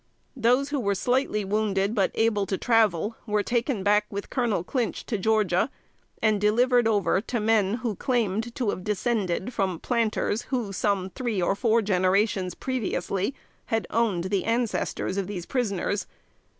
Those who were slightly wounded, but able to travel, were taken back with Colonel Clinch to Georgia and delivered over to men who claimed to have descended from planters who, some three or four generations previously, owned the ancestors of the prisoners.